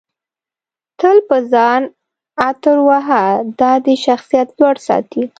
تل په ځان عطر وهه دادی شخصیت لوړ ساتي